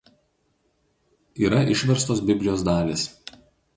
Yra išverstos Biblijos dalys.